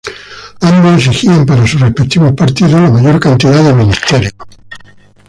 Ambos exigían para sus respectivos partidos la mayor cantidad de ministerios.